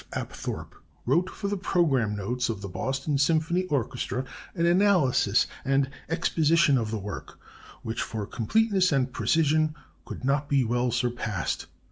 Apthorp wrote for the programme notes of the Boston Symphony Orchestra an analysis and exposition of the work which for completeness and precision could not well be surpassed.